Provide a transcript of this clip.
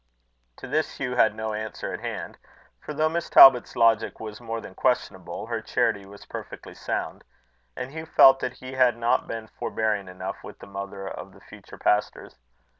To this Hugh had no answer at hand; for though Miss Talbot's logic was more than questionable, her charity was perfectly sound; and Hugh felt that he had not been forbearing enough with the mother of the future pastors.